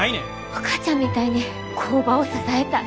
お母ちゃんみたいに工場を支えたい。